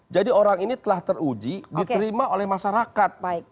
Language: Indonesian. jadi orang ini telah teruji diterima oleh masyarakat